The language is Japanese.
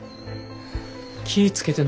気ぃ付けてな。